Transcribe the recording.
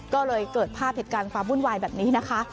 ก็เลยเกิดภาพเหตุการณ์ความวุ่นวายแบบนี้นะคะ